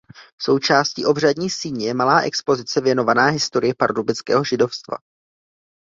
Součástí obřadní síně je malá expozice věnovaná historii pardubického židovstva.